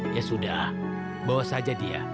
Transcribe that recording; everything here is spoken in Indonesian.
ya sudah bawa saja dia